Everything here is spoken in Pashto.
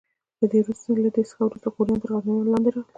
له دې څخه وروسته غوریان تر غزنویانو لاندې راغلل.